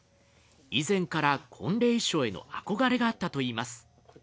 以前から婚礼衣装への憧れがあったといいます。